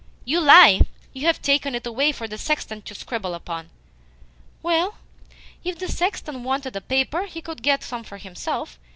"You lie! You have taken it away for the sexton to scribble upon." "Well, if the sexton wanted paper he could get some for himself.